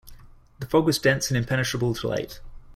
The fog was dense and impenetrable to light.